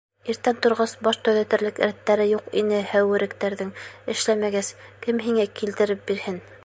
Иртән торғас, баш төҙәтерлек рәттәре юҡ ине һәүеректәрҙең, эшләмәгәс, кем һиңә килтереп бирһен.